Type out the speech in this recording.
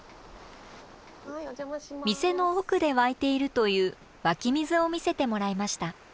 店の奥で湧いているという湧き水を見せてもらいました。